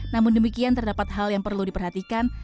namun demikian terdapat hal yang perlu diperhatikan